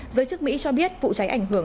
giới chức mỹ cho biết vụ cháy ảnh hưởng